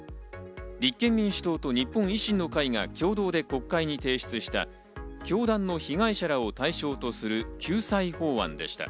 立憲民主党と日本維新の会が共同で国会に提出した、教団の被害者らを対象とする救済法案でした。